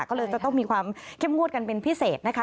ก็เลยจะต้องมีความเข้มงวดกันเป็นพิเศษนะคะ